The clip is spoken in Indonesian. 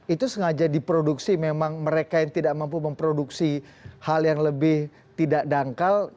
itu sengaja diproduksi memang mereka yang tidak mampu memproduksi hal yang lebih tidak dangkal